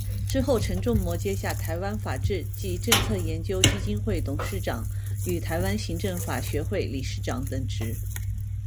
之后城仲模接下台湾法治暨政策研究基金会董事长与台湾行政法学会理事长等职。